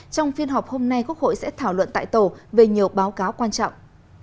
trong phiên họp hôm nay quốc hội sẽ thảo luận tại tổ về nhiều báo cáo quan trọng